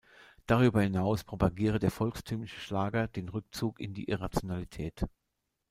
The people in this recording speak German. Darüber hinaus propagiere der volkstümliche Schlager den Rückzug in die Irrationalität.